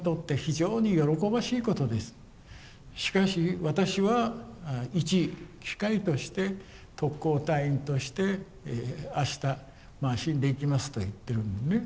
しかし私は一機械として特攻隊員として明日死んでいきます」と言っているのね。